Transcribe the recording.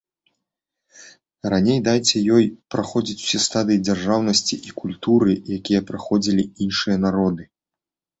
Раней дайце ёй праходзіць усе стадыі дзяржаўнасці і культуры, якія праходзілі іншыя народы.